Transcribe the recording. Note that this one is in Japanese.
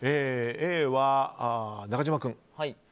Ａは中島君。